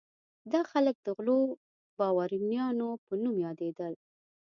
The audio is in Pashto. دا خلک د غلو بارونیانو په نوم یادېدل.